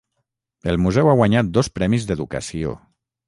El museu ha guanyat dos premis d'educació.